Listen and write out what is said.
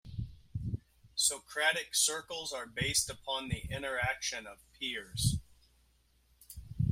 Socratic Circles are based upon the interaction of peers.